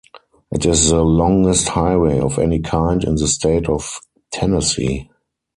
It is the longest highway of any kind in the state of Tennessee.